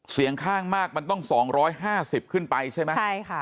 เสียงข้างมากมันต้อง๒๕๐ขึ้นไปใช่ไหมใช่ค่ะ